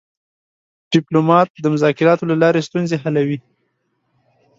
ډيپلومات د مذاکراتو له لارې ستونزې حلوي.